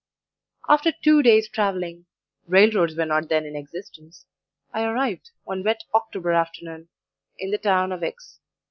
"After two days' travelling (railroads were not then in existence) I arrived, one wet October afternoon, in the town of X